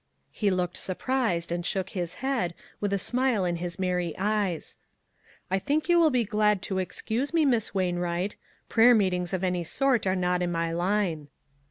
He looked surprised, and shook his head, with a smile in his merry eyes: " I .think you will be glad to excuse me, Miss Wainwright ; prayer meetings of any sort are not in my line."